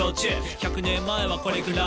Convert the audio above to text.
「１００年前はこれぐらい」